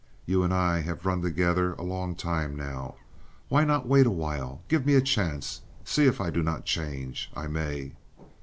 You and I have run together a long time now. Why not wait awhile? Give me a chance! See if I do not change. I may."